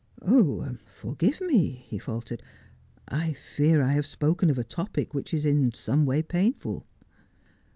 ' Forgive me,' he faltered, ' I fear I have spoken of a topic which is in some way painful.'